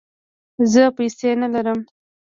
زه پیسې نه لرم